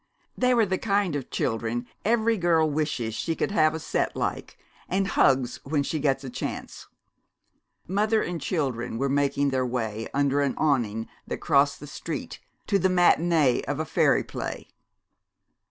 They were the kind of children every girl wishes she could have a set like, and hugs when she gets a chance. Mother and children were making their way, under an awning that crossed the street, to the matinee of a fairy play.